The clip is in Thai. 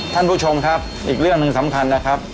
ท่านผู้ชมครับอีกเรื่องหนึ่งสำคัญนะครับ